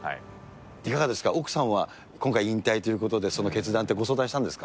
いかがですか、奥さんは今回、引退ということで、その決断ってご相談したんですか？